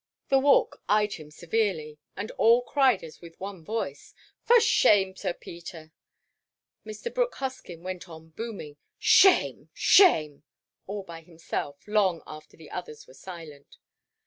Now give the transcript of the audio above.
The Walk eyed him severely, and all cried as with one voice, "For shame, Sir Peter!" Mr. Brooke Hoskyn went on booming, "Shame! Shame!" all by himself, long after the others were silent.